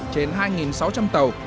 trên hai sáu trăm linh tàu